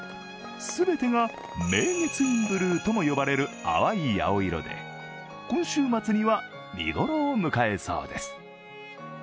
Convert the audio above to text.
全てが明月院ブルーとも呼ばれる淡い青色で今週末には見ごろを迎えそうです。